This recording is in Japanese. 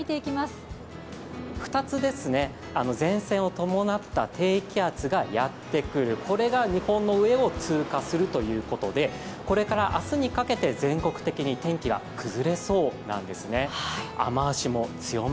２つ、前線を伴った低気圧がやってくる、これが日本の上を通過するということでこれから明日にかけて全国的に天気が崩れそうなんですね。